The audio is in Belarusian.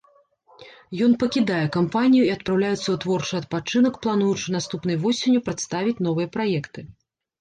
Ён пакідае кампанію і адпраўляецца ў творчы адпачынак, плануючы наступнай восенню прадставіць новыя праекты.